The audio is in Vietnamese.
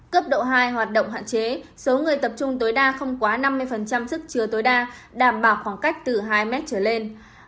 cấp độ hai hoạt động hạn chế số người tập trung tối đa không quá năm mươi sức chứa tối đa đảm bảo khoảng cách từ hai mét trở lên